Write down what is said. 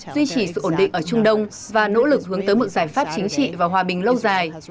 duy trì sự ổn định ở trung đông và nỗ lực hướng tới một giải pháp chính trị và hòa bình lâu dài